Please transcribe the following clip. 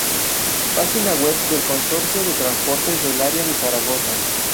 Página web del Consorcio de Transportes del Área de Zaragoza